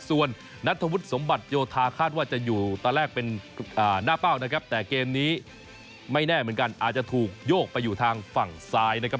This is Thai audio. ส่วนนัทธวุฒิสมบัติโยธาคาดว่าจะอยู่ตอนแรกเป็นหน้าเป้านะครับแต่เกมนี้ไม่แน่เหมือนกันอาจจะถูกโยกไปอยู่ทางฝั่งซ้ายนะครับ